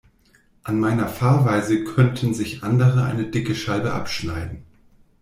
An meiner Fahrweise könnten sich andere eine dicke Scheibe abschneiden.